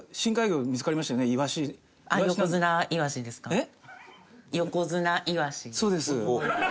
えっ？